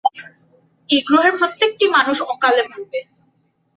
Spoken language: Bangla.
এই গ্রহের প্রত্যেকটা মানুষ অকালে মরবে!